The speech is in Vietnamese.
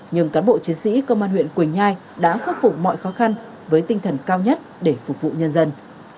nhưng cán bộ chiến sĩ công an huyện quỳnh nhai đã khắc phục mọi khó khăn với tinh thần cao nhất để phục vụ nhân dân